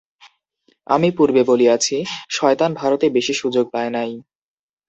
আমি পূর্বে বলিয়াছি, শয়তান ভারতে বেশী সুযোগ পায় নাই।